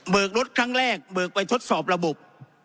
รถครั้งแรกเบิกไปทดสอบระบบ